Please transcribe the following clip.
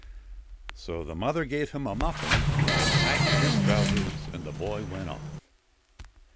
So the mother gave him a muffin and patched his trousers, and the boy went off.